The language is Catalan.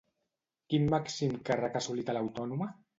Quin màxim càrrec ha assolit a l'Autònoma?